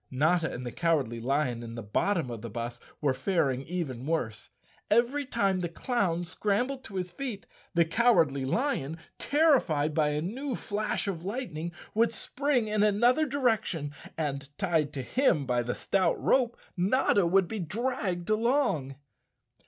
Notta and the Cowardly Lion in the bottom of the bus were faring even worse. Every time the clown scrambled to his feet, the Cowardly Lion, terrified by a new flash of lightning, would spring in another di¬ rection and, tied to him by the stout rope, Notta would be dragged along.